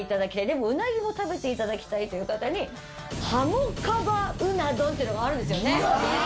でもうなぎも食べて頂きたいという方に鱧カバうな丼っていうのがあるんですよね？